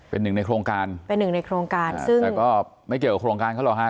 เป็นหนึ่งในโครงการเป็นหนึ่งในโครงการซึ่งแต่ก็ไม่เกี่ยวกับโครงการเขาหรอกฮะ